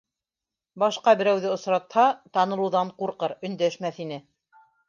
Башҡа берәүҙе осратһа, танылыуҙан ҡурҡыр, өндәшмәҫ ине...